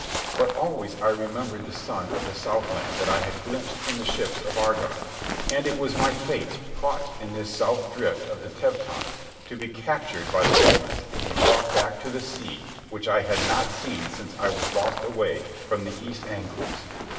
But always I remembered the sun of the south land that I had glimpsed in the ships of Agard, and it was my fate, caught in this south drift of the Teutons, to be captured by the Romans and be brought back to the sea which I had not seen since I was lost away from the East Angles.